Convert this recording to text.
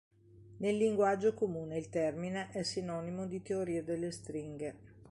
Nel linguaggio comune il termine è sinonimo di teoria delle stringhe.